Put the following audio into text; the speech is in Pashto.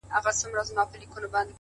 مرګ مشر او کشر ته نه ګوري -